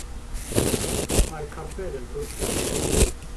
Mae'r carped yn frwnt.